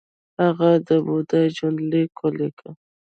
هغه د بودا ژوند لیک ولیکه